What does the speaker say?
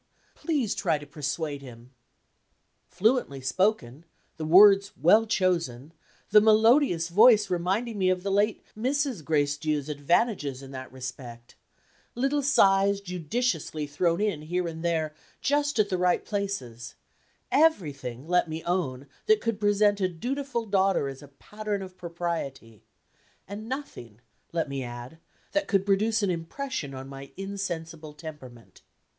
Please try to persuade him." Fluently spoken; the words well chosen; the melodious voice reminding me of the late Mrs. Gracedieu's advantages in that respect; little sighs judiciously thrown in here and there, just at the right places; everything, let me own, that could present a dutiful daughter as a pattern of propriety and nothing, let me add, that could produce an impression on my insensible temperament.